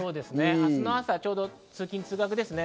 明日の朝、ちょうど通勤・通学ですね。